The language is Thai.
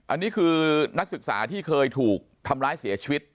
อันนี้คือนักศึกษาที่เคยถูกทำร้ายเสียชีวิต